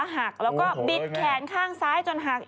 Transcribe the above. เฮ้ย